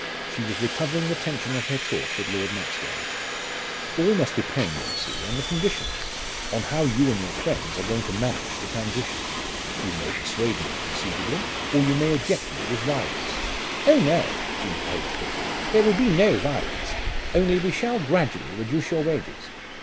She was recovering the tension of her talk with Lord Maxwell. "All must depend, you see, on the conditions on how you and your friends are going to manage the transition. You may persuade me conceivably or you may eject me with violence." "Oh, no!" she interposed quickly. "There will be no violence. Only we shall gradually reduce your wages.